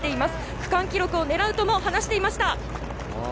区間記録を狙うとも話していました。